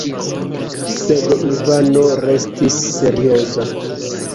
Sed Ivano restis serioza.